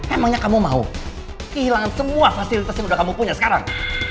emangnya kamu mau kehilangan semua fasilitas yang udah kamu punya sekarang